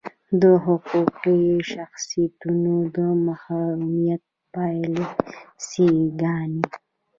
د حقوقي شخصیتونو د محرومیت پالیسي ګانې.